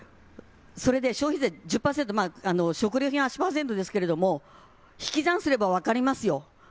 それで消費税１０％、食料品は８％ですけれども引き算すれば分かりますよ。